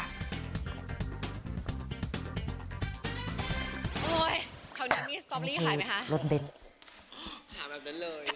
โอ้ยคราวนี้มีสตรอปปลี่ขายไหมฮะรถเบ้นถามแบบนั้นเลย